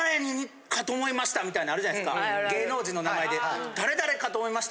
みたいなあるじゃないですか芸能人の名前で。